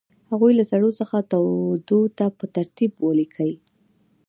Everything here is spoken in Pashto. هغوی له سړو څخه تودو ته په ترتیب ولیکئ.